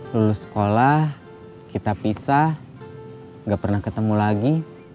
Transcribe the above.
lulus sekolah kita pisah gak pernah ketemu lagi